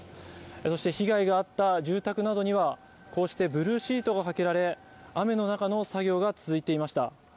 そして被害が遭った住宅などには、こうしてブルーシートがかけられ、雨の中の作業が続いていました。